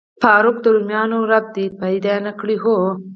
فاروق، د روميانو رب دې پیدا نه کړ؟ هو.